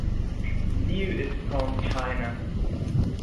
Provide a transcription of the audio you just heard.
Liu is from China.